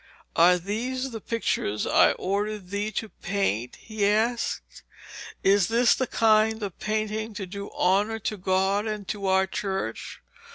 'Are these the pictures I ordered thee to paint?' he asked. 'Is this the kind of painting to do honour to God and to our Church?